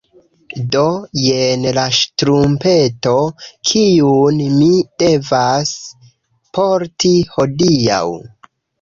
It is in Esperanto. Do jen la ŝtrumpeto, kiun mi devas porti hodiaŭ.